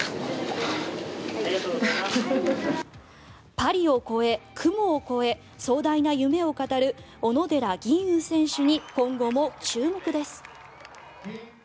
パリを超え、雲を超え壮大な夢を語る小野寺吟雲選手に今後も注目です。